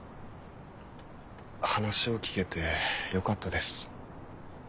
話を聞けてよかったです。